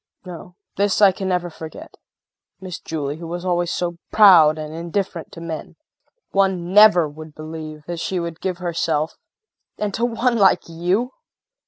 No, this I can never forget. Miss Julie who was always so proud and indifferent to men! One never would believe that she would give herself and to one like you!